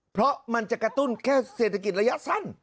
เพราะมันจะกระตุ้นแค่เศรษฐกิจระยะสั้น